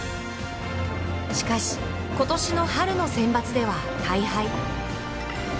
しかし、ことしの春のセンバツでは大敗。